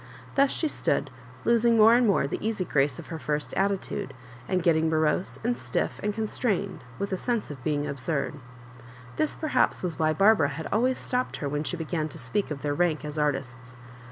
Thus she stood, losing more and more the easy grace of her first attitude, and getting morose and stiff and constrained, with a sense of being absurd. This perhaps was why Barbara had always stopped her when she began to speak of their rank as artists.